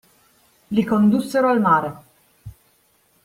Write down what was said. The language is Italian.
Li condussero al mare.